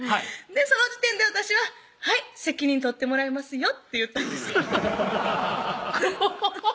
その時点で私は「はい責任とってもらいますよ」と言ったんですよ怖っ